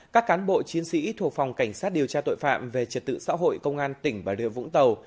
các cán bộ chiến sĩ thuộc phòng cảnh sát điều tra tội phạm về trật tự xã hội công an tỉnh bà rịa vũng tàu